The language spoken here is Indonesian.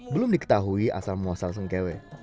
belum diketahui asal muasal sengkewe